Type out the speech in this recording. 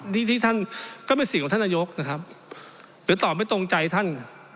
นี่ที่ท่านก็ไม่สิ่งของท่านนโยคนะครับเดี๋ยวตอบไม่ตรงใจท่าน